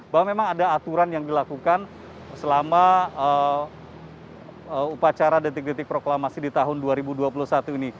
bahwa memang ada aturan yang dilakukan selama upacara detik detik proklamasi di tahun dua ribu dua puluh satu ini